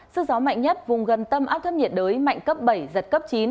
sức gió mạnh nhất vùng gần tâm áp thấp nhiệt đới mạnh cấp bảy giật cấp chín